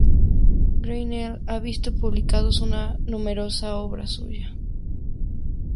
Granell ha visto publicados una numerosa obra suya.